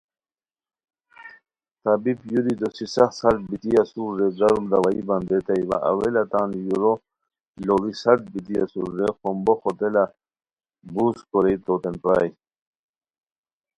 طبیب یُوری دوسی سخت سرد بیتی اسور رے گرم دوائی بندیتائے وا اوّلا تان یورو لوڑی سرد بیتی اسور رے خومبوخو تیلہ بوز کورئیے تو تین پرائے